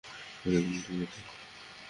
শোলা, তুমি ঠিক আছো?